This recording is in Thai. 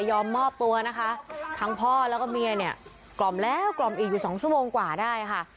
มอบตัวนะคะทั้งพ่อแล้วก็เมียเนี่ยกล่อมแล้วกล่อมอีกอยู่สองชั่วโมงกว่าได้ค่ะ